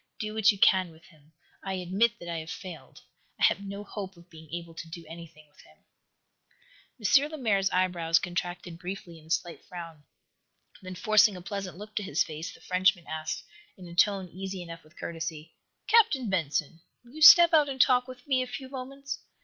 Do what you can with him. I admit that I have failed. I have no hope of being able to do anything with him." M. Lemaire's eyebrows contracted briefly, in a slight frown. Then, forcing a pleasant look to his face, the Frenchman asked, in a tone easy enough with courtesy: "Captain Benson, will you step out and talk with me a few moments?